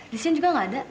di sini juga nggak ada